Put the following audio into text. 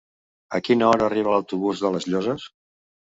A quina hora arriba l'autobús de les Llosses?